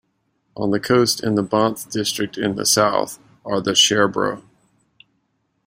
On the coast in Bonthe District in the south are the Sherbro.